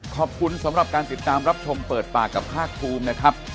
ขอบคุณสำหรับการติดตามรับชมเปิดปากกับภาคภูมินะครับ